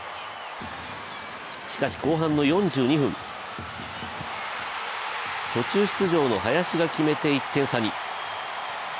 しかし、後半の４２分、途中出場の林が決めて、１点差に。